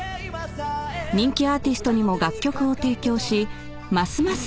［人気アーティストにも楽曲を提供しますます